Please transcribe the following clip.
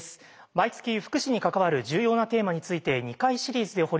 毎月福祉に関わる重要なテーマについて２回シリーズで掘り下げる特集。